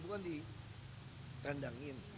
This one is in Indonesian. dua ribu kan dikandangin